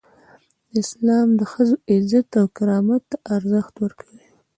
اسلام د ښځو عزت او کرامت ته ارزښت ورکوي.